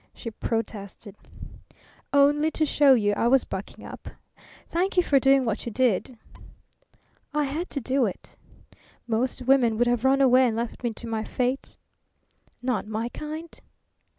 she protested. "Only to show you I was bucking up. Thank you for doing what you did." "I had to do it." "Most women would have run away and left me to my fate." "Not my kind."